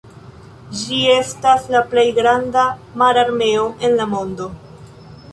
Ĝi estas la plej granda mararmeo en la mondo.